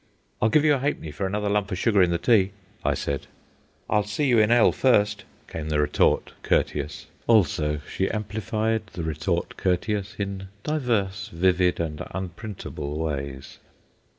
"I'll give you a ha'penny for another lump of sugar in the tea," I said. "I'll see you in 'ell first," came the retort courteous. Also, she amplified the retort courteous in divers vivid and unprintable ways.